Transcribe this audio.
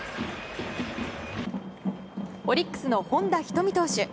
オリックスの本田仁海投手。